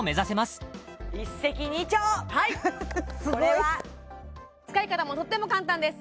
すごい使い方もとっても簡単です